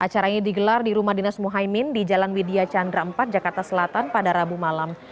acara ini digelar di rumah dinas muhaymin di jalan widya chandra empat jakarta selatan pada rabu malam